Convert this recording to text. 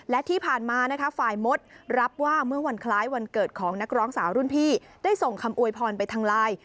และที่ผ่านมานะคะฝ่ายมดรับว่าเมื่อวันคล้ายวันเกิดของนักร้องสาวรุ่นพี่ได้ส่งคำอวยพรไปทางไลน์